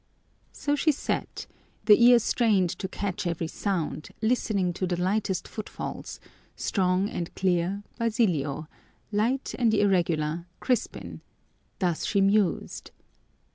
So she sat, he ear strained to catch every sound, listening to the lightest footfalls: strong and clear, Basilio; light and irregular, Crispin thus she mused.